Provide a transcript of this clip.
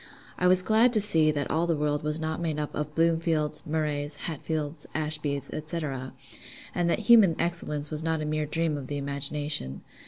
I was glad to see that all the world was not made up of Bloomfields, Murrays, Hatfields, Ashbys, &c. and that human excellence was not a mere dream of the imagination.